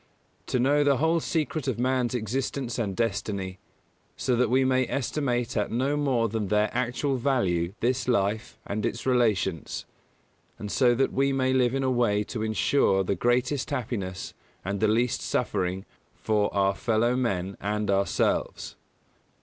To know the whole secret of man's existence and destiny, so that we may estimate at no more than their actual value this life and its relations; and so that we may live in a way to ensure the greatest happiness and the least suffering for our fellow men and ourselves.